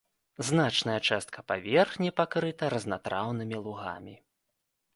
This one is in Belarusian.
Значная частка паверхні пакрыта разнатраўнымі лугамі.